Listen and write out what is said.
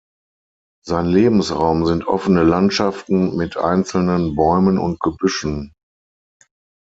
Sein Lebensraum sind offene Landschaften mit einzelnen Bäumen und Gebüschen.